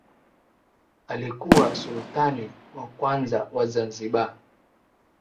Alikuwa Sultani wa kwanza wa Zanzibar